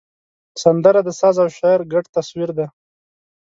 سندره د ساز او شعر ګډ تصویر دی